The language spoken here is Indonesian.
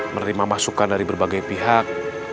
menerima masukan dari berbagai pihak